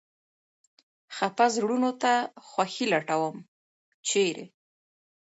خپه زړونو ته خوښي لټوم ، چېرې ؟